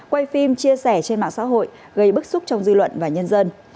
quay phim chia sẻ trên mạng xã hội gây bức xúc trong dư luận và nhân dân